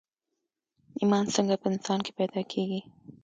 ايمان څنګه په انسان کې پيدا کېږي